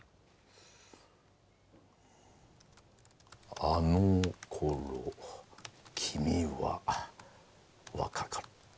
「あの頃、君は若かった鉄道編」。